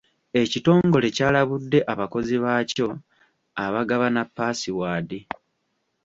Ekitongole kyalabudde abakozi baakyo abagabana paasiwaadi.